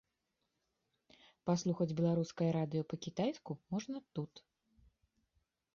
Паслухаць беларускае радыё па-кітайску можна тут.